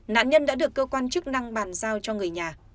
nạn nhân đã được cơ quan chức năng bàn giao cho người nhà